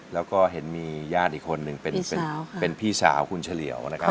แล้วก็เห็นมีญาติอีกคนนึงเป็นพี่สาวคุณเฉลี่ยวนะครับ